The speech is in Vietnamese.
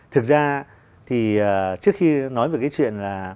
thực ra thì trước khi nói về chuyện